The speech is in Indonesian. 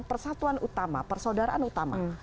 persatuan utama persaudaraan utama